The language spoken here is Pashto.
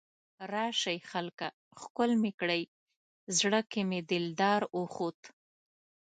راشئ خلکه ښکل مې کړئ، زړه کې مې دلدار اوخوت